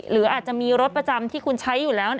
หรืออาจจะมีรถประจำที่คุณใช้อยู่แล้ว